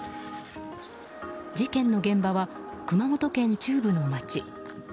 事件の現場は熊本県中部の町。